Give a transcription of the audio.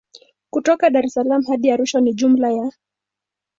Kutoka Daressalaam hadi Arusha ni jumla ya